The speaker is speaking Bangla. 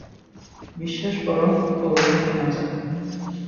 বিশ্বাস করো, ও ওখানেই আছে।